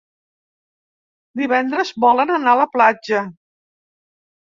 Divendres volen anar a la platja.